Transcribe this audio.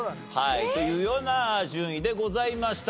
というような順位でございました。